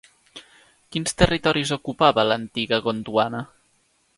Quins territoris ocupava l'antiga Gondwana?